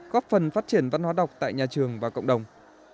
góp phần phát triển văn hóa đọc tại nhà trường và cộng đồng